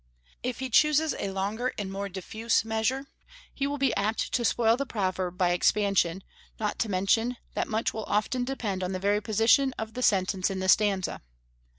If he chooses a longer and more diffuse measure, he will be apt to spoil the proverb by expansion; not to mention that much will often depend on the very position of the sentence in the stanza.